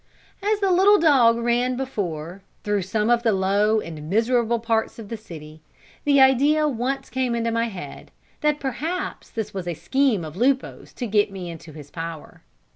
As the little dog ran before, through some of the low and miserable parts of the city, the idea once came into my head that perhaps this was a scheme of Lupo's to get me into his power.